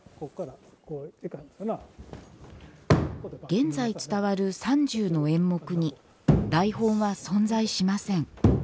現在伝わる３０の演目に台本は存在しません。